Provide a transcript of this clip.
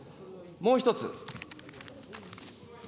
もう一つ。